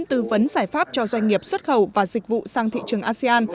phấn giải pháp cho doanh nghiệp xuất khẩu và dịch vụ sang thị trường asean